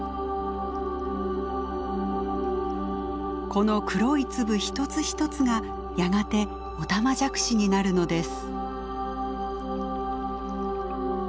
この黒い粒一つ一つがやがてオタマジャクシになるのです。